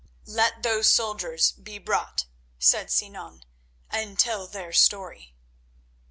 "Let those soldiers be brought," said Sinan, "and tell their story."